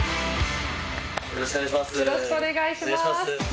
よろしくお願いします。